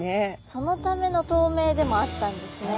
そのための透明でもあったんですね。